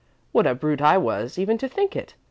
What a brute I was even to think it!